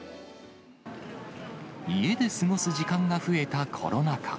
家で過ごす時間が増えたコロナ禍。